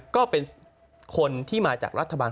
ก็เป็นคนที่มาจากรัฐบาล